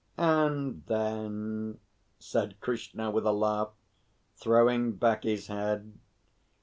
"And then?" said Krishna, with a laugh, throwing back his head.